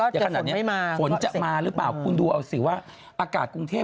เดี๋ยวขนาดนี้ฝนจะมาหรือเปล่าคุณดูเอาสิว่าอากาศกรุงเทพ